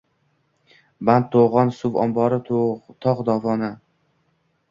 Band – to‘g‘on, suv ombori; tog‘ dovoni.